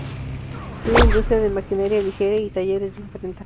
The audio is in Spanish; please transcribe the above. Tiene industria de maquinaria ligera y talleres de imprenta.